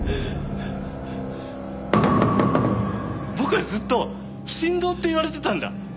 僕はずっと神童って言われてたんだ。